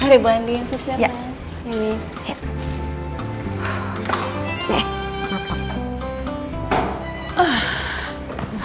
hari bahagia sesuatu yang baik